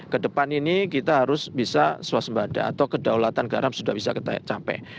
kedepan ini kita harus bisa swasembada atau kedaulatan garam sudah bisa kita capai